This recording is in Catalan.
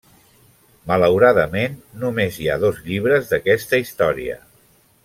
Malauradament, només hi ha dos llibres d'aquesta història.